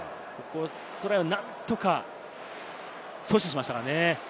トライを何とか阻止しましたね。